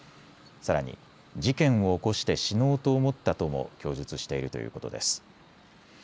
さらに事件を起こして死のうと思ったとも供述しているということです。